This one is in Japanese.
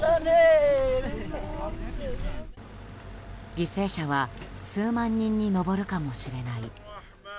犠牲者は数万人に上るかもしれない。